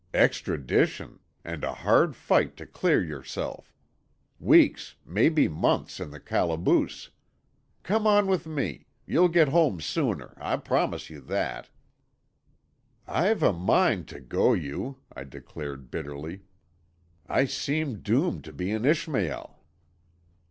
"Extradition—and a hard fight to clear yourself. Weeks, maybe months, in the calaboose. Come on with me. You'll get home sooner, I'll promise you that." "I've a mind to go you," I declared bitterly. "I seem doomed to be an Ishmael."